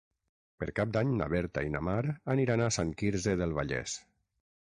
Per Cap d'Any na Berta i na Mar aniran a Sant Quirze del Vallès.